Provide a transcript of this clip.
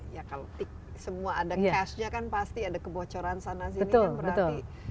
ya kalau semua ada cash nya kan pasti ada kebocoran sana sini kan berarti